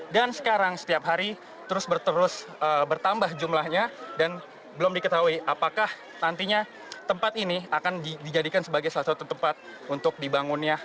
dan sekarang setiap hari terus bertambah jumlahnya dan belum diketahui apakah nantinya tempat ini akan dijadikan sebagai satu tempat untuk dibangunnya